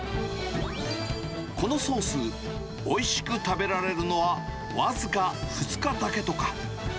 このソース、おいしく食べられるのは僅か２日だけとか。